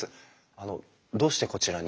あのどうしてこちらに？